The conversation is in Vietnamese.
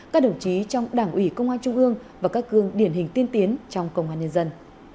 các đồng chí trong đảng ủy công an trung ương và các gương điển hình tiên tiến trong công an nhân dân